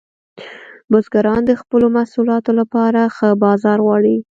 بزګران د خپلو محصولاتو لپاره ښه بازار غواړي.